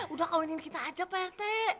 udah kawinin kita aja pak arte